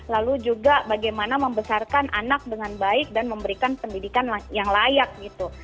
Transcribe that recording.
lalu juga bagaimana membesarkan anak dengan baik dan memberikan pendidikan yang layak gitu